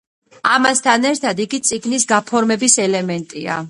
ამასთან ერთად იგი წიგნის გაფორმების ელემენტია.